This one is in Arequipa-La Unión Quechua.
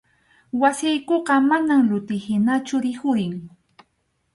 Wasiykuqa manam luti hinachu rikhurin.